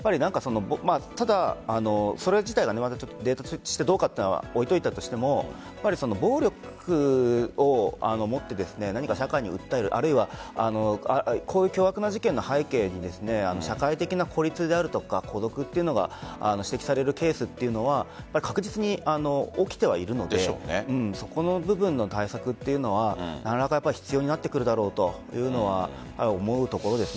ただ、それ自体どうかというのは置いておいたとしても暴力をもって社会に訴えるあるいはこういう凶悪な事件の背景に社会的な孤立であるとか孤独というのが指摘されるケースというのは確実に起きてはいるのでそこの部分での対策は何らかが必要になってくるだろうとは思うところです。